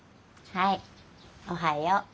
はいおはよう。